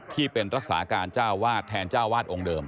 ที่เป็นรักษาการเจ้าวาดแทนเจ้าวาดองค์เดิม